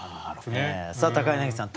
さあ柳さん